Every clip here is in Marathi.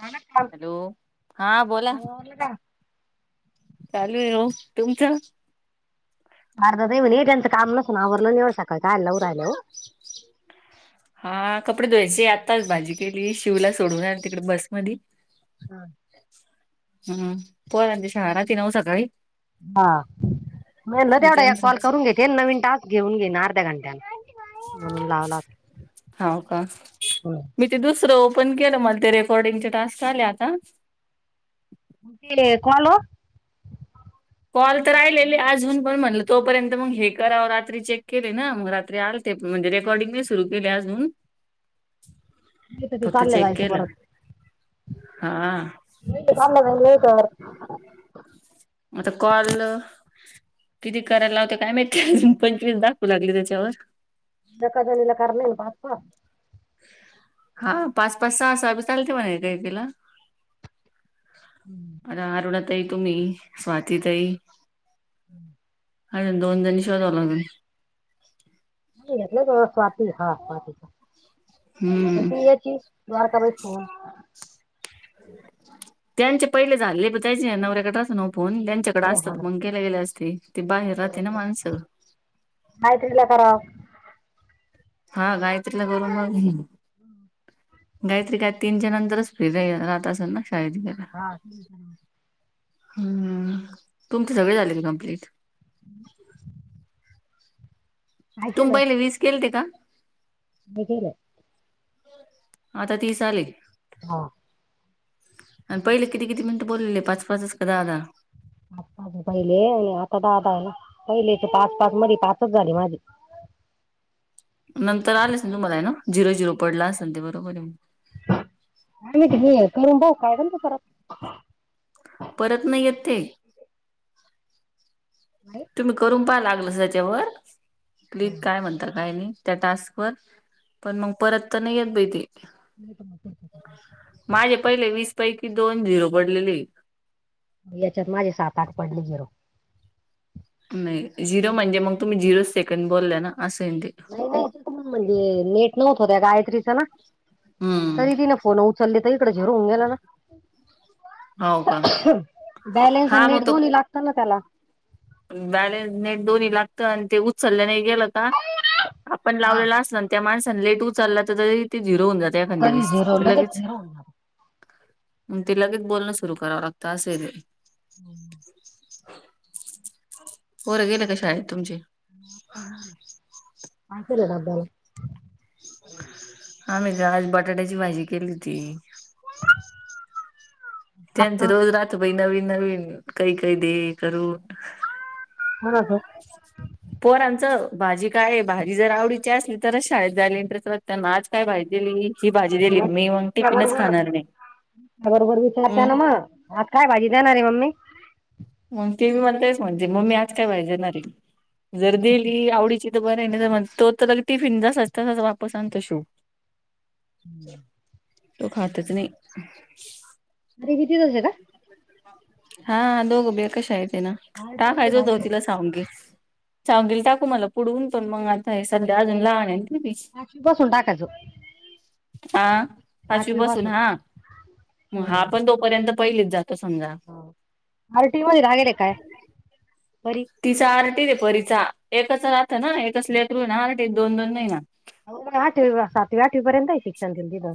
झालं काम हॅलो. हा बोला. काम आवरलं का? चालू आहे ओ. तुमचं? अर्धा [unintelligible] त्यांचं काम [unintelligible] आवरल नाही सकाळच [unintelligible] हा कपडे धुवायचे आत्ताच भाजी केली शिवला सोडून आली तिकडे बसमधी [unintelligible] हम्म पोरांची शाळा नव्हती ना ओ सकाळी? हा म ना तेवढा त्यांच कॉल करून घेते नवीन टास्क घेऊन घेन अर्ध्या घंट्यात हाव का? होता. मी ते दुसरं ओपन केलं मला ते रेकॉर्डिंगचे टास्क आले आता हे कोण ओ? कॉल तर राहिलेले अजून पण म्हणलं तोपर्यंत मग हे करां रात्री चेक केले ना मग रात्री आ ते म्हणजे रेकॉर्डिंग नाय सुरू केली अजून नाही तर ते फक्त चालले चेक जायचं केलं परत. हा. [unintelligible] आता कॉल किती करायला लावते काय माहिती अजून पंचवीस दाखवू लागले त्याच्यावर [unintelligible] ना बाप्पा हा पाच पाच सहा सहा बी चालते म्हणा काही तिला हम्म. आणि अरुणाताई तुम्ही स्वातीताई अजून दोन जणी शोधावे लागलं. [unintelligible] हम्म [unintelligible] त्यांचे पहिले झाले प त्याचे नवऱ्याकडे असतो ना ओ फोन त्यांच्या इकड अरे हा असतात मग केल्या केल्या असते ती बाहेर राहते ना माणसं गायत्रीला करावं. हा गायत्रीला करून मंग हम् गायत्री काय तीनच्या नंतरच फ्री रा रहात असल ना शाळेत का हां हं तुमचे सगळें झाले कम्प्लीट तुम्ही पहिले वीसं केलते कां मं गेलं आतां तीसं आलें हो आणि पहिले किती किती मिनिटं बोललेले पांच पांच कां दहा दहा पांच पांच पहिले आणि आतां दहा आहे नां पहिलेथंले पांच पांच मध्यें पांच झालीं मांझी नंतर आले असं नांल तुम्हांला आहे नां झिरो झिरो पडलां असेल ते बरोबर आहे आं मी करूंन भाऊ का [unintelligible] यदा परंत नाहीं येतं ते नाही तुम्हीं करूंन पहां लागलं त्यांच्यावर की कायं म्हणतं कायं नाहीं त्यां टास्कं वरं पणं मंग परंत तरं नाहीं येतं बांई ते नाहीं मं माये पहिले वीसं पैकी दोन झिरो पडलेली यांच्यात माझी सात आंठ पडले परंत नाहीं झिरो म्हणजे मंग तुम्हीं झिरो सेकंड बोलला नां असं ते नाहीं तेण म्हणजे नेटं नव्हतं नं त्यां गायत्रीचं नां हम्म तरी ती नं फोन उचलंली तरं ईकडे झिरो होवूंन गेलां नां हो का बॅलेन्स आणि हा मग नेटं तो दोन्ही लागतांत नां त्यांला बॅलेन्स नेट दोन्ही लागतं आणि ते उचललं नाहीं गेलं कां आपणं हा लावलेलं असलं त्यां माणसांण लेटं ऊचललां तरी ते झिरो होऊन जातं एखाद्या तरी झिरो वेळेसं लगेच लगेचं झिरो होऊन जातो ते लगेचं बोलणं सुंरु करावं लागते असं आहे ते हं पोरं गेले कां शाळेत तुमचे मायचलंड अला [unintelligible] आम्हीं कां आंज बटाट्यांची भांजी केली होती त्यांचं आता रोजं राहतं नवीन नवीन कांहीं कांहीं दे करूंन कोणाचं [unintelligible] पोरांचं भांजी कायं भांजी जरं आवडीची असंली तरचं शाळेंत जायलां इंटरेस्टं वाटतंना आंज कायं भांजी दिली ही भांजी दिली मी मंग टिफिनचं बरोबर खांणार नाहीं हम्मं आंज कायं भांजी देणारं आहे मम्मी मंग ते बी म्हणते मम्मी आंज कायं भांजी देणारं आहे दिली आवडीची बरं आहे तो तरं लंग टिफिन जसां तसांच वापसं आणतो शिव तो खांतचं नाहीं तुम्हीं बिझीनव्ह त्यां कां हां दोघ बी एकांच शाळेत आहे नां आरटी मध्ये टांकाचं होतं लागेल का तिला सांऊगे सांऊगे टाकूं म्हणंला पुढूंन पणं म्हणतां हे संध्या अजूंन लहांन आहे ती बी. बसूंन टाकायचं हां पाचंवी पाचवी बसूंन पासून हां हां पणं दो पर्यंत पहिलीत जातो समजां अलंटी मध्यें रागेलं कायं बरी तिचां आरटी दे परीचां एकचं राहतं नां एकचं लेकरूं आरटी दोन दोन नाहिंनां आंठवी सातंवी आठंवी पर्यंतही शिक्षण आहे तिथं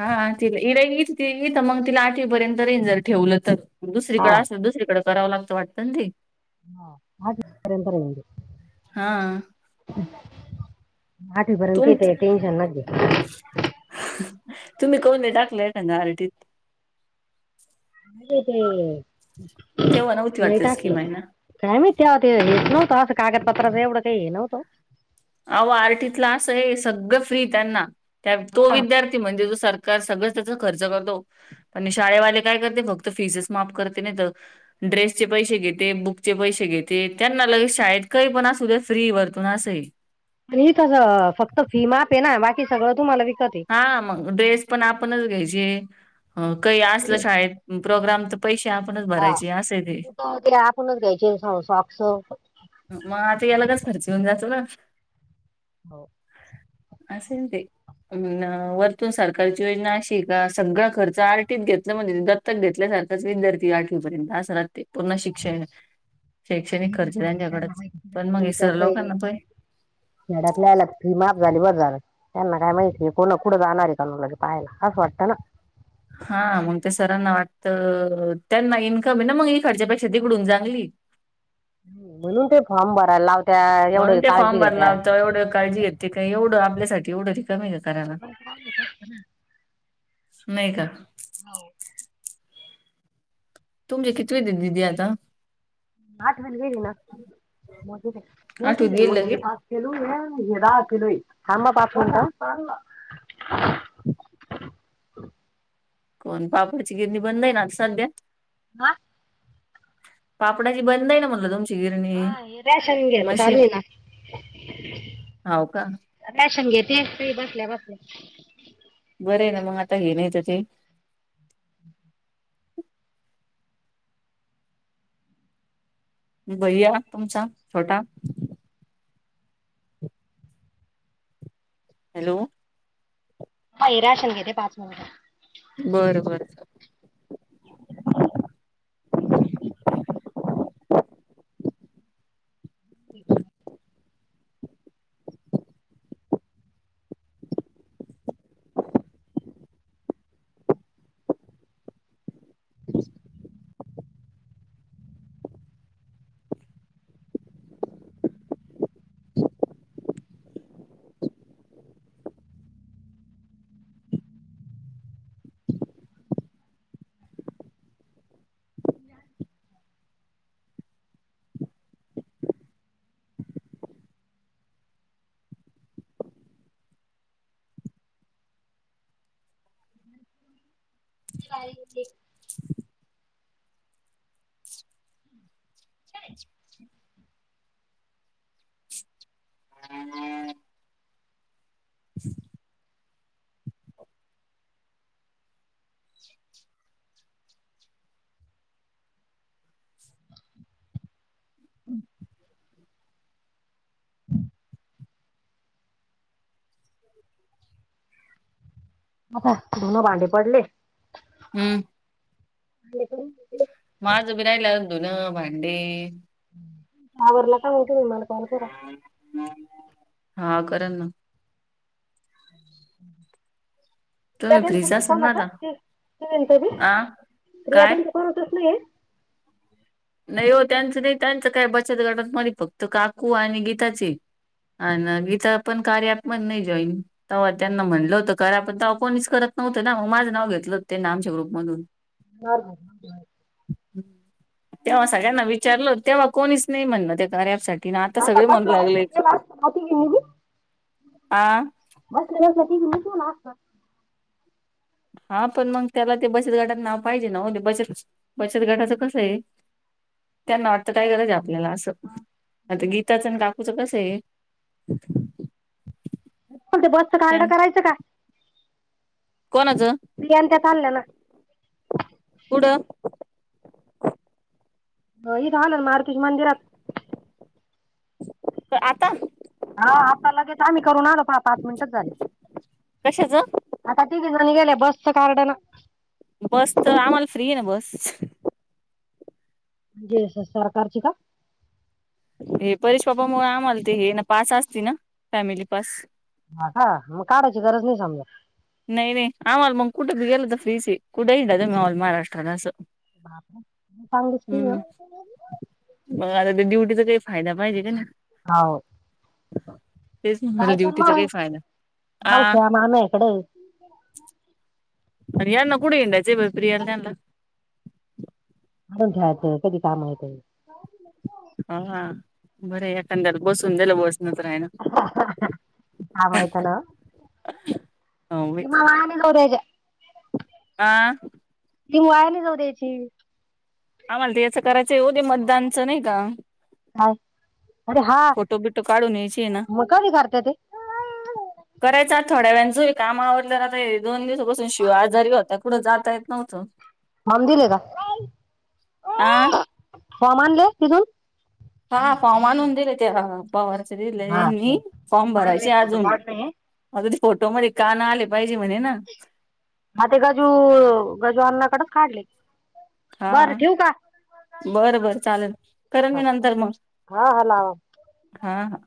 हां तिले इडंयली इथं मंग तिलां आठवीपर्यंत रेन जरं ठेवलं तरं हा, दुसरीकडें असेलं दुसरीकडें करावं लागतं वाटतं नां ते आंठ वी पर्यंत हा रहाते आंठीपर्यंत आहे कांहीं ते टेन्शंन नकां घेऊ तुम्हीं कोन टाकलंय कां नां आरटीतं [unintelligible] तेव्हा नव्हती नाही वाटत टाकलं. स्कीम आहे ना काय माहित तेव्हा ते हेच नव्हतं असं, कागदपत्राचं एवढं काही हे नव्हतं. आओ आर्टितल आसय सगळं फ्री त्यांना, तो ना. विद्यार्थी की, म्हणजे जो सरकार सगळंच त्याच खर्च करतो. आणि शाळेवाले काय करते? फक्त फीसेस माफ करते, नाही तर ड्रेसचे पैसे घेते, बुकचे पैसे घेते, त्यांना लगेच शाळेत काही पण असू द्या, फ्री ए वरतून असय. आणि हीथसं फक्त फी माप ए ना, बाकी सगळं तुम्हाला विकत आहे. हा मग ड्रेस पण आपणच घ्यायचे, अ काही असलं शाळेत प्रोग्राम त पैसे आपणच हा, भरायचे असंय ते बुट ते आपणच घ्यायचे सॉक्स म आता याला कस खर्च येऊन जातो ना. हो. असेन ते. वरतून सरकारची योजना अशी ए का, सगळा खर्च आरटीत घेतल म्हणजे तर दत्तक घेतल्यासारखाच विद्यार्थी आठवीपर्यंत असं राहते. पूर्ण शिक्षण, शैक्षणिक खर्च त्यांच्याकडेच पण मग हे सर लोकांना पहाय खेड्यातली आल्यात फी माफ झाली, बरं झालं. त्यांना काय माहितीय? कोणा पुढं जाणार आहे का? मुला पाहायल असं वाटतं ना. हा मंग त्या सरांना वाटतं, त्यांना इन्कम आहे ना मंग इकडच्यापेक्षा तिकडून चांगली म्हणून ते फॉर्म भरायला लाव म्हणून ते फॉर्म भरनार तेव्हा, एवढ काळजी घेत. ते काय एवढं? आपल्यासाठी एवढं ते कमी का करायला? नाही का? हाऊ. तुमची कितवीत ए दिदी आता. आठवीत गेली ना मोठीच ए हे आठवीत दोन गेली ए लगे. अन हे पाच किलोय. थांबा पाच मिंट कोण पापाची गिरणी बंद आहे ना, सध्या हा. पापडाची बंद आहे ना म्हटलं तुमची गिरणी. हा रेशन घेन मशीन चालुय ना. हाव का राशन घेते ते ही बसल्या बसल्या बरं आहे ना, मंग आता हे नाहीत ते बैया तुमचा छोटा. हॅलो. हाय राशन घेते पाच मिंट. बर बर. [inaudible] [inaudible] [inaudible] मी बाहेर गेलते. [unintelligible] [inaudible] [unintelligible] [inaudible] आता धुन भांडे पडले. हम्म. इकडून तिकडे. माझं बी राहिल अ धुण भांडे. आवरल का म्हणते मी मला? कॉल करा हा करल ना. [inaudible] किया तुम्ही त्यांचं फ्रीच नाही असाल कोण ना आत आता आ रिया काय त्यांच कोण होतच नाहीये [unintelligible] नाही हो त्यांचं नाही, त्यांच काय बचत गटात मदे फक्त काकू आणि गीताच हे. अन विचा पण कार्या ऍप मधे नही जॉईन. तव्हा त्यांना म्हणलं होतं करा पण तव्हा कोणीच करत नव्हतं ना, म माझं नाव घेतलं होत तेणी आमच्या ग्रुपमधून. [unintelligible] तेव्हा सगळ्यांना विचारलं होत, तेव्हा कोणीच नही म्हणन होते कार्या ऍप साठी. तिन आता सगळे म्हणू बसल्या बसल्या लागले. केलं असतं ना तिघींनी बी आ! बसल्या बसल्या [unintelligible] हा पण मग त्याला ते बचत गाटात नाव पाहिजे, ना ओ ते बचत, बचत गाटाचं कसं हे. [inaudible] त्यांना वाटतं काय गरज हे आपल्याला, असं आता गीताचं न काकूचं कसं हे. [inaudible] तुमचं बसच कार्ड करायचं का? कोणाचं? रियांत्या चालल्या ना. कुढ? अ इथं आलोन मारुतीच्या मंदिरात. क त आता. हा आता लगेच आम्ही करून आलो सहा, सात मिनटच झाले. कशाच आत्ता तिघीजणी गेल्या बसच्या कार्ड न. बस चं आम्हाला फ्री हे ना बस. जे सं सरकारची का? हे परेश पापा मुळ आम्हाल ते हे ना पास असते ना, फॅमिली पास. हा का म काढायची गरज नाही समजा. नही, नही, आम्हाला मग कुठेबी गेलं त फ्रीचं हे कुठेही जा, तुमी ऑल महाराष्ट्रात असं. बाप रे [unintelligible] सांगित की हम्म मग आता ते ड्युटीचा काही फायदा, पाहिजे का नाही. हा वो. तेच म्हणाले जायचं ड्युटीचा मं काही फायदा आ मावश्या माम्या इकड हे आणि यांणा कुढ हिडांयाचं बई प्रिया न त्यांनलां. अणून घ्यायाचं कधी काम येतंय. हा, हा बरंय एखाद्याला बसून दील बस नजर हायना. हा हा हा आवाज येतो ना हो बाई. [unintelligible] आह! ती वाया नाही जाऊ द्यायची. आम्हाला तें याच करायचं हो, तें मतदानचं नही का. अरे हा फोटो बिटो काढून यायचे ना मं कधी करता तें. हो [unintelligible] करायचं थोड्या वेंळान चं हे काम, आवरल्या वर आता हे दोन दिवसापासून शिव आजारी होता, कुड जाता येत नव्हतं. फॉम दिले का, आ फॉम आणले तिथून? हा फॉर्म आणून दिले ते पवारचे दिले हा यांनी, फॉर्म काढले भरायचे फोटो अजून. काढले आता तें फोटो मध्ये कान आले, पाहिजे म्हणे ना. ह ते गजू, गजूअन्ना कडच काढले हा बरं ठेवू का. बरं, बर चालल करन मी नंतर मंग हा हा लावा हा हा.